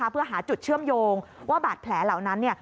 เพื่อหาจุดเชื่อมโยงว่าบาดแผลเหล่านั้น